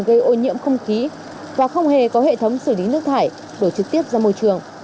gây ô nhiễm không khí và không hề có hệ thống xử lý nước thải đổ trực tiếp ra môi trường